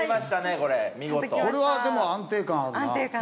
これはでも安定感あるな。